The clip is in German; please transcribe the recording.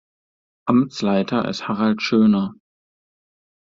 Amtsleiter ist Harald Schöner.